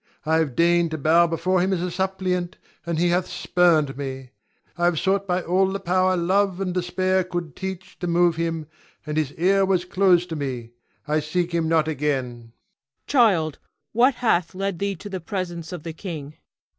I have deigned to bow before him as a suppliant, and he hath spurned me; I have sought by all the power love and despair could teach to move him, and his ear was closed to me. I seek him not again. Cleon. Child, what hath led thee to the presence of the king?